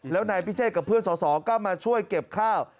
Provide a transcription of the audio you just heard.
แล้วนายพิเศษกับเพื่อนสอสอก็มาช่วยเก็บข้าว